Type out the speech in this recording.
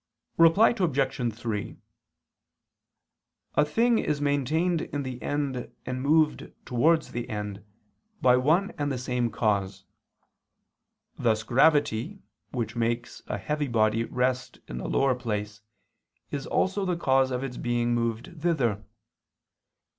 Reply Obj. 3: A thing is maintained in the end and moved towards the end by one and the same cause: thus gravity which makes a heavy body rest in the lower place is also the cause of its being moved thither.